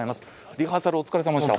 リハーサルお疲れさまでした。